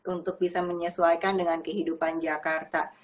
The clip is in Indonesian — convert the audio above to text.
untuk bisa menyesuaikan dengan kehidupan jakarta